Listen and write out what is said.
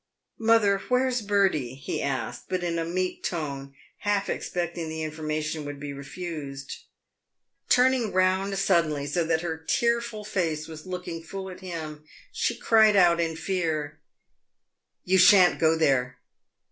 "Mother, where's Bertie ?" he asked, but in a meek tone, half expecting the informa tion would be refused. Turning round suddenly, so that her tearful face was looking full at him, she cried out in fear, " You shan't go there